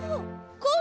こう。